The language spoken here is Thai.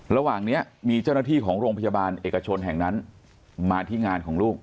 ระหว่างนี้มีเจ้าหน้าที่ของโรงพยาบาลเอกชนแห่งนั้นมาที่งานของลูก